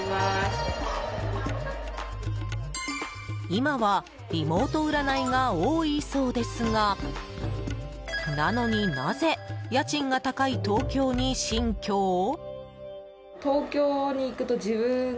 今はリモート占いが多いそうですがなのに、なぜ家賃が高い東京に新居を？